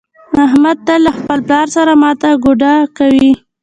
احمد تل له خپل پلار سره ماته ګوډه کوي.